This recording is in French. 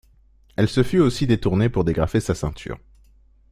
Elle se fût aussi détournée pour dégrafer sa ceinture.